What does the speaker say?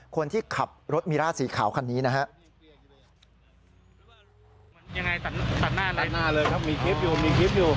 คนที่ขับรถมิร่าสีขาวคันนี้นะฮะ